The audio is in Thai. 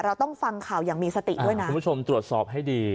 เราต้องฟังข่าวอย่างมีสติด้วยนะคุณผู้ชมตรวจสอบให้ดี